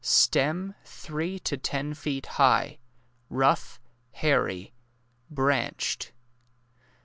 Stem three to ten feet high— rough— hairy —branched.